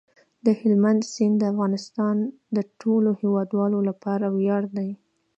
هلمند سیند د افغانستان د ټولو هیوادوالو لپاره ویاړ دی.